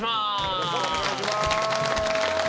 よろしくお願いします。